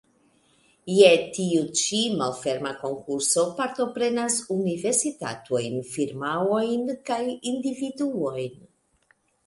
Je tiu ĉi malferma konkurso partoprenas universitatojn, firmaojn kaj individuojn.